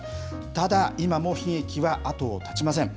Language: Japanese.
ただ、今も悲劇は後を絶ちません。